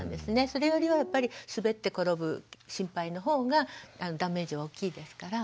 それよりは滑って転ぶ心配の方がダメージは大きいですから。